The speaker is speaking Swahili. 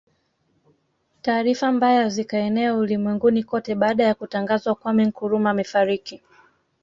Taarifa mbaya zikaenea ulimwenguni kote baada ya Kutangazwa Kwame Nkrumah Amefariki